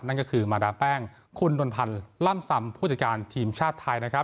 นั่นก็คือมาดามแป้งคุณนวลพันธ์ล่ำซำผู้จัดการทีมชาติไทยนะครับ